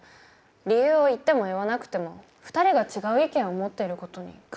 理由を言っても言わなくても２人が違う意見を持っている事に変わりはないわ。